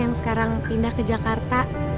yang sekarang pindah ke jakarta